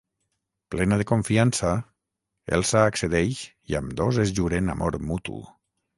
Plena de confiança, Elsa accedeix i ambdós es juren amor mutu.